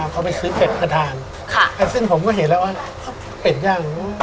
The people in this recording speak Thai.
เค้าไปซื้อเป็นิกประทานค่ะซึ่งผมก็เห็นแล้วว่าเป็นยัง